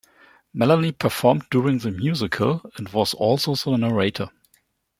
Melanie performed during the musical and was also the narrator.